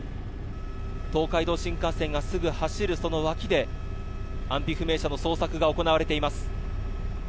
東海道新幹線がすぐ走る、その脇で安否不明者の捜索が行われています。